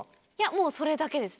もうそれだけです。